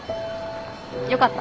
よかった。